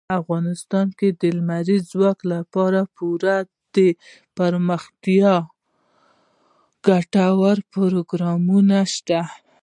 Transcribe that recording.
افغانستان کې د لمریز ځواک لپاره پوره دپرمختیا ګټور پروګرامونه شته دي.